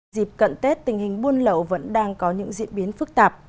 dịp cận tết tình hình buôn lậu vẫn đang có những diễn biến phức tạp